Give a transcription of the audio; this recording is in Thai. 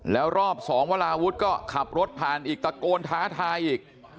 แล้วรอบ๒วราวุฒิก็ขับรถผ่านอีกตะโกนท้าทายอีก